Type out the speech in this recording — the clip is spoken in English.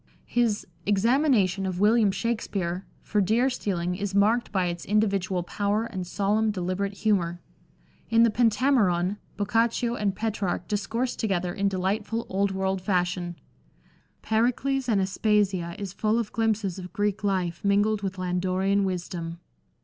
His Examination of William Shakspere for deer stealing is marked by its individual power and solemn deliberate humour ; in the Peiitameron Boccaccio and Petrarch discourse together in delightful old world fashion ; Pericles and Aspasia is full of glimpses of Greek life mingled with Landorian wisdom.